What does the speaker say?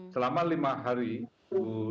selama lima hari bu